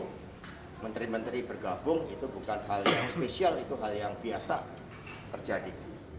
jadi menteri menteri bergabung itu bukan hal yang spesial itu hal yang biasa terjadi